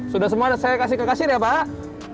sudah semua saya kasih ke kasir ya pak